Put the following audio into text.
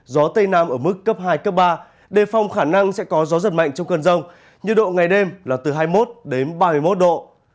gió tây nam ở mức cấp hai cấp ba đề phòng khả năng sẽ có gió giật mạnh trong cơn rông nhiệt độ ngày đêm là từ hai mươi một đến ba mươi một độ